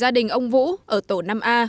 gia đình ông vũ ở tổ năm a